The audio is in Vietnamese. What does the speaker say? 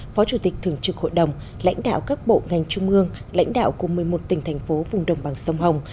phó chủ tịch thường trực hội đồng lãnh đạo các bộ ngành trung ương lãnh đạo của một mươi một tỉnh thành phố vùng đồng bằng sông hồng